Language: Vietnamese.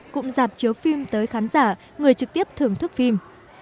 cũng giạp chiều phim tới khán giả người trực tiếp thưởng thức phim